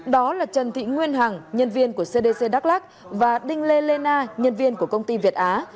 đó là trần thị nguyên hằng nhân viên của cdc đắk lắc và đinh lê lê na nhân viên của công ty việt á